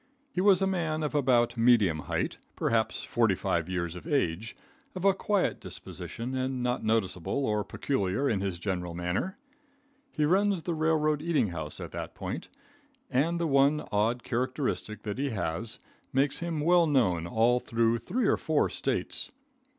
He was a man of about medium height, perhaps 45 years of age, of a quiet disposition, and not noticeable or peculiar in his general manner. He runs the railroad eating house at that point, and the one odd characteristic which he has, makes him well known all through three or four States.